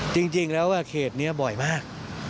จริงแล้วเขตนี้บ่อยมาก